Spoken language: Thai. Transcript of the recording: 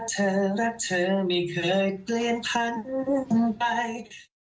โชว์หน่อย